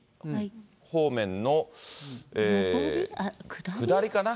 方面の下りかな？